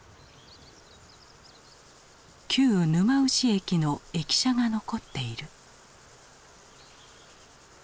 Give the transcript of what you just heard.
旧沼牛駅の駅舎が残っている。